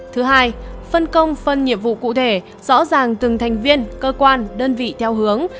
thứ hai phân công phân nhiệm vụ cụ thể rõ ràng từng thành viên cơ quan đơn vị theo hướng